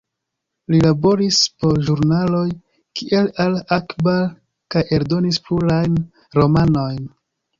Li laboris por ĵurnaloj kiel Al-Akhbar kaj eldonis plurajn romanojn.